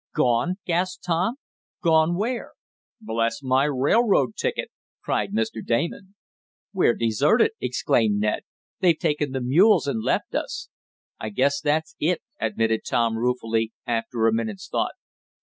"Gone!" gasped Tom. "Gone where?" "Bless my railroad ticket!" cried Mr. Damon. "We're deserted," exclaimed Ned. "They've taken the mules, and left us." "I guess that's it," admitted Tom ruefully, after a minute's thought.